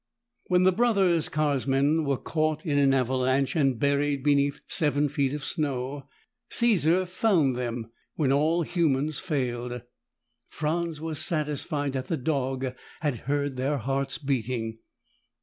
When the brothers Karsmin were caught in an avalanche and buried beneath seven feet of snow, Caesar found them when all humans failed. Franz was satisfied that the dog had heard their hearts beating.